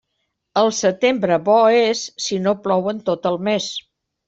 El setembre bo és, si no plou en tot el mes.